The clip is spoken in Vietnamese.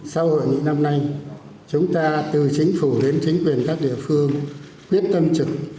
sau hội nghị năm nay chúng ta từ chính phủ đến chính quyền các địa phương quyết tâm trực